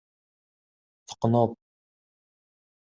Teqqneḍ.